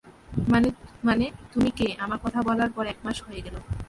মানে, তুমি ওকে আমার কথা বলার পর এক মাস হয়ে গেল।